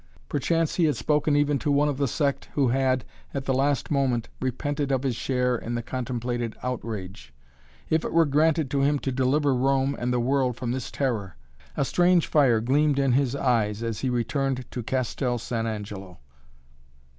Perchance he had spoken even to one of the sect who had, at the last moment, repented of his share in the contemplated outrage. If it were granted to him to deliver Rome and the world from this terror! A strange fire gleamed in his eyes as he returned to Castel San Angelo.